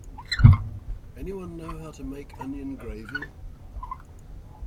Anyone know how to make onion gravy?